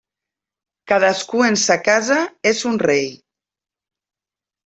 Cadascú en sa casa és un rei.